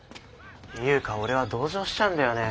ていうか俺は同情しちゃうんだよね